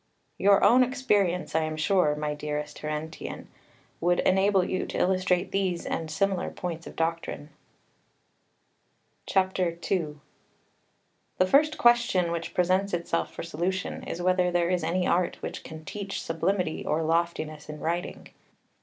Your own experience, I am sure, my dearest Terentian, would enable you to illustrate these and similar points of doctrine. [Footnote 2: Reading διεφώτισεν.] II The first question which presents itself for solution is whether there is any art which can teach sublimity or loftiness in writing.